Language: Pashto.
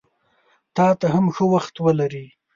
تاته هم ښه وخت ولرې!